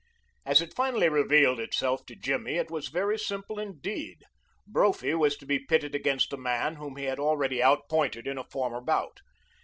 As it finally revealed itself to Jimmy it was very simple indeed. Brophy was to be pitted against a man whom he had already out pointed in a former bout.